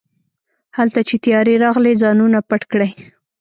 هلته چې طيارې راغلې ځانونه پټ کړئ.